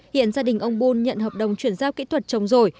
hiện gia đình anh bùn nhận hợp đồng chuyển giao kỹ thuật trồng rổi